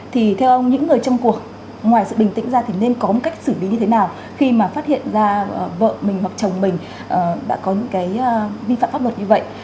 thì theo ông những người trong cuộc ngoài sự bình tĩnh ra thì nên có một cách xử lý như thế nào khi mà phát hiện ra vợ mình hoặc chồng mình đã có những cái vi phạm pháp luật như vậy